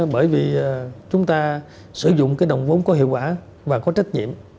bởi vì chúng ta sử dụng cái đồng vốn có hiệu quả và có trách nhiệm